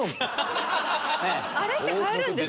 あれって買えるんですか？